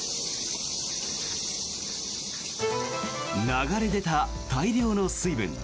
流れ出た大量の水分。